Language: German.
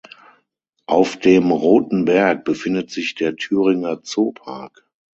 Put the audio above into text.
Auf dem Roten Berg befindet sich der Thüringer Zoopark.